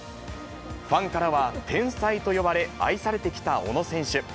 ファンからは天才と呼ばれ、愛されてきた小野選手。